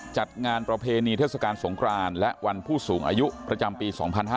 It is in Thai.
จัดงานประเพณีเทศกาลสงครานและวันผู้สูงอายุประจำปี๒๕๕๙